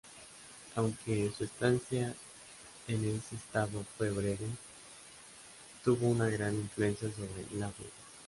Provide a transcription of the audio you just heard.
Aunque su estancia en ese estado fue breve, tuvo una gran influencia sobre Lawler.